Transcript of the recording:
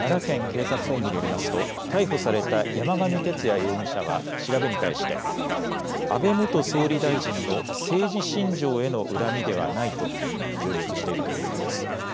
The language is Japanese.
警察本部によりますと逮捕された山上徹也容疑者は調べに対して安倍元総理大臣の政治信条への恨みではないと供述しているということです。